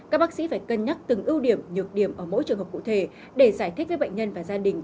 các bác sĩ phải cân nhắc từng ưu điểm nhược điểm ở mỗi trường hợp cụ thể để giải thích với bệnh nhân và gia đình